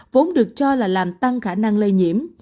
vốn được cho là làm tăng khả năng lây nhiễm